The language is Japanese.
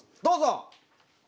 どうぞ！